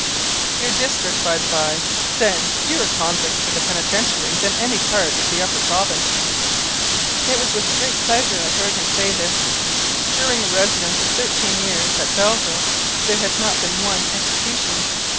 Your district, by the bye, sends fewer convicts to the Penitentiary than any part of the Upper Province." It was with great pleasure I heard him say this. During a residence of thirteen years at Belleville, there has not been one execution.